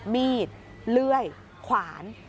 มีดเลื่อยขวาน